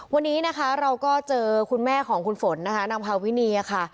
วันนี้นะคะเราก็เจอคุณแม่ของคุณฝนนะคะนางพาวินีค่ะ